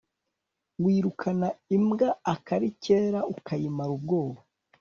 wirukana imbwa akari kera ukayimara ubwoba